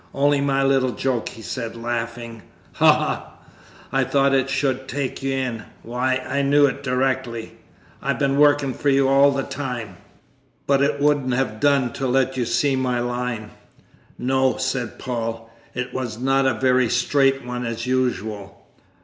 "Only my little joke," he said, laughing; "ha, ha, I thought I should take you in!... Why, I knew it directly.... I've been working for you all the time but it wouldn't have done to let you see my line." "No," said Paul; "it was not a very straight one, as usual."